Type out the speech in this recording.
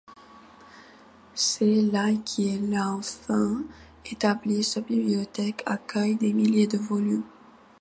C'est là qu'il a enfin établi sa bibliothèque, accueillant des milliers de volumes.